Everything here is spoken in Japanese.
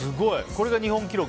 これが日本記録。